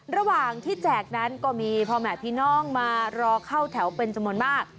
ระหว่างที่แจกนั้นก็มีพ่อแม่พี่น้องมารอเข้าแถวเป็นจำนวนมาก